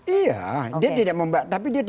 iya dia tidak membadangkan